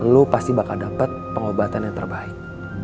lo pasti bakal dapet pengobatan yang terbaik